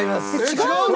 違うの！？